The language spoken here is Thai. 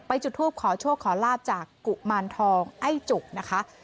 จุดทูปขอโชคขอลาบจากกุมารทองไอ้จุกนะคะ